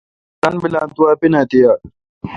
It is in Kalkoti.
پرہ ران بیل تو اپن اں تی یال۔